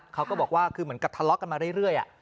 เขาก็บอกว่าคือเหมือนกับทะเลาะกันมาเรื่อย